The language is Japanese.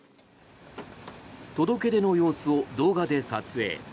届け出の様子を動画で撮影。